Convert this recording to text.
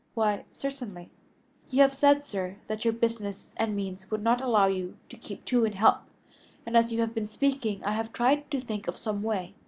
"Why, certainly." "You have said, sir, that your business and means would not allow you to keep two in help, and as you have been speaking I have tried to think of some way.